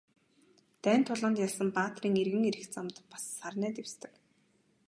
Дайн тулаанд ялсан баатрын эргэн ирэх замд бас сарнай дэвсдэг.